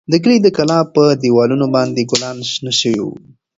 د کلي د کلا په دېوالونو باندې ګلان شنه شوي وو.